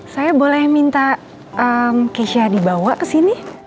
saya boleh minta keisha dibawa kesini